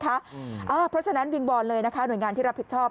เพราะฉะนั้นวิงวอนเลยนะคะหน่วยงานที่รับผิดชอบ